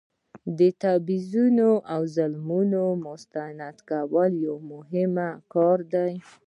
د تبعیضونو او ظلمونو مستند کول یو ډیر مهم کار دی.